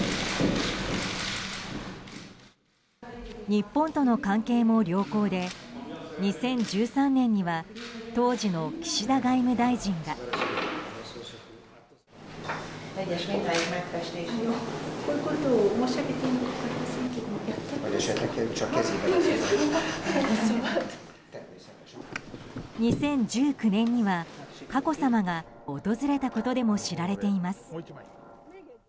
日本との関係も良好で２０１３年には当時の岸田外務大臣が。２０１９年には佳子さまが訪れたことでも知られています。